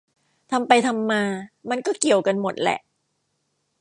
ทำไปทำมา มันก็เกี่ยวกันหมดแหละ